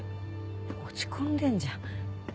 落ち込んでるじゃん。